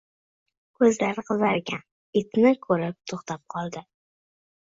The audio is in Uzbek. Koʻzlari qizargan, itni koʻrib toʻxtab qoldi.